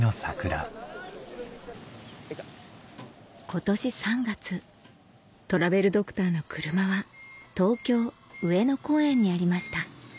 今年３月トラベルドクターの車は東京・上野公園にありました